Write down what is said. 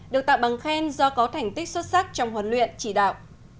được tặng bằng khen do có thành tích xuất sắc trong huấn luyện chỉ đạo